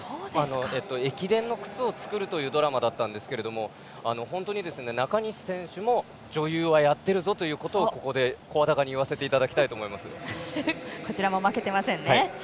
駅伝の靴を作るというドラマだったんですが本当に中西選手も、女優はやっているぞということをここで声高にこちらも負けていませんね。